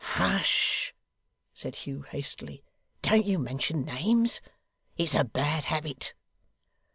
'Hush!' said Hugh, hastily. 'Don't you mention names. It's a bad habit.